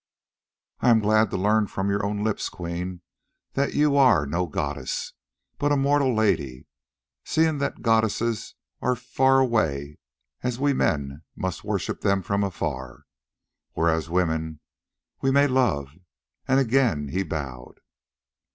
"I am glad to learn from your own lips, Queen, that you are no goddess, but a mortal lady, seeing that goddesses are far away and we men must worship them from afar, whereas women—we may love," and again he bowed.